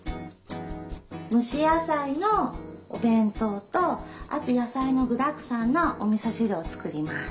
「蒸し野菜のお弁当」とあと「野菜の具だくさんのおみそ汁」を作ります。